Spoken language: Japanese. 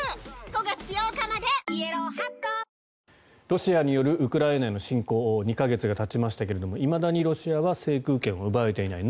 ロシアによるウクライナへの侵攻２か月がたちましたがいまだにロシアは制空権を奪えていない。